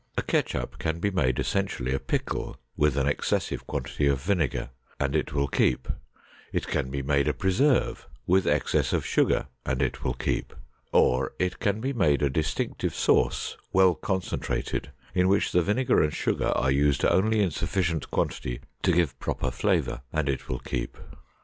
A ketchup can be made essentially a pickle with an excessive quantity of vinegar and it will keep; it can be made a preserve with excess of sugar and it will keep; or, it can be made a distinctive sauce well concentrated in which the vinegar and sugar are used only in sufficient quantity to give proper flavor, and it will keep.